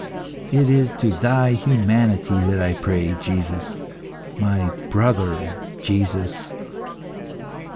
It is to Thy humanity that I pray, Jesus, my brother Jesus!"